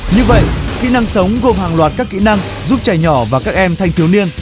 như vậy kỹ năng sống gồm hàng loạt các kỹ năng giúp trẻ nhỏ và các em thanh thiếu niên